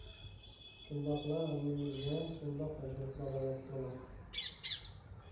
شۇنداقلا، ھەممىمىزنى شۇنداق ياشاشقا دالالەت قىلىدۇ.